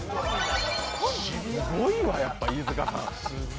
すごいわ、やっぱ、飯塚さん。